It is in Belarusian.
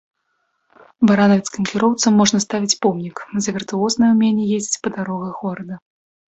Баранавіцкім кіроўцам можна ставіць помнік за віртуознае ўменне ездзіць па дарогах горада!